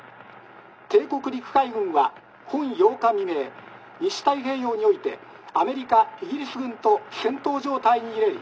帝国陸海軍は本８日未明西太平洋においてアメリカイギリス軍と戦闘状態に入れり」。